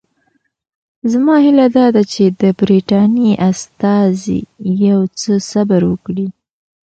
زما هیله دا ده چې د برټانیې استازي یو څه صبر وکړي.